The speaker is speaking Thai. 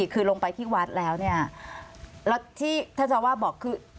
คือลงไปที่วัดแล้วเนี่ยแล้วที่ท่านเจ้าวาดบอกคือ